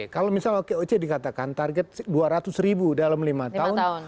kalau misalnya okoc dikatakan target dua ratus ribu dalam lima tahun